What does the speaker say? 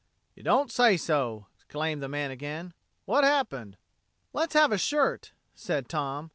"Y' don't say so!" exclaimed the man again. "What happened?" "Let's have a shirt," said Tom.